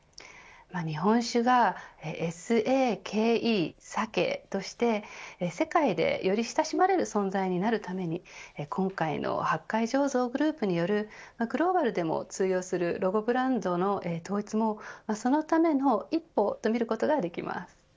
日本酒がＳＡＫＥＳＡＫＥとして世界でより親しまれる存在になるために今回の八海醸造グループによるグローバルでも通用するロゴブランドの統一もそのための一歩と見ることができます。